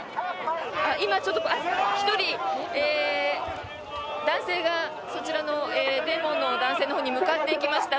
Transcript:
今、１人、男性がそちらのデモの男性のほうに向かっていきました。